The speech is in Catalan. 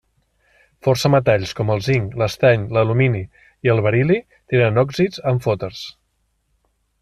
Força metalls, com el zinc, l'estany, l'alumini i el beril·li, tenen òxids amfòters.